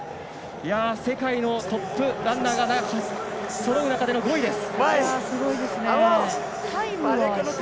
世界のトップランナーがそろう中での５位です。